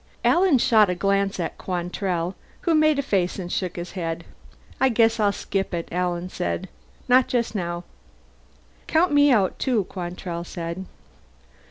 Alan shot a glance at Quantrell, who made a face and shook his head. "I guess I'll skip it," Alan said. "Not just now." "Count me out too," Quantrell said.